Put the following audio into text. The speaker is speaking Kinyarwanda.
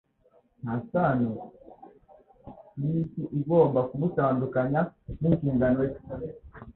nta sano y’isi igomba kumutandukanya n’inshingano ye,